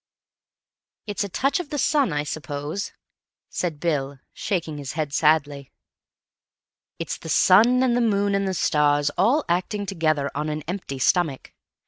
"It's a touch of the sun, I suppose," said Bill, shaking his head sadly. "It's the sun and the moon and the stars, all acting together on an empty stomach.